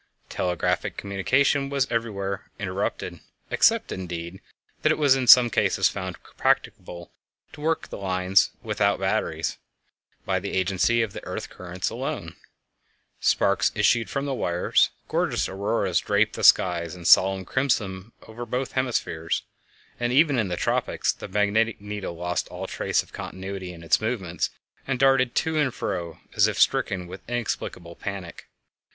Telegraphic communication was everywhere interrupted—except, indeed, that it was in some cases found practicable to work the lines without batteries by the agency of the earth currents alone; sparks issued from the wires; gorgeous auroras draped the skies in solemn crimson over both hemispheres, and even in the tropics; the magnetic needle lost all trace of continuity in its movements and darted to and fro as if stricken with inexplicable panic.